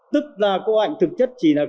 tức là cô hạnh thực chất chỉ là